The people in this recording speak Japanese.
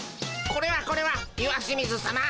これはこれは石清水さま。